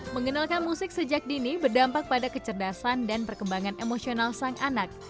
mengenalkan musik sejak dini berdampak pada kecerdasan dan perkembangan emosional sang anak